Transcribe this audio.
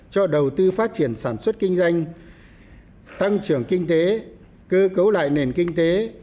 cho đầu tư phát triển sản xuất kinh doanh tăng trưởng kinh tế cơ cấu lại nền kinh tế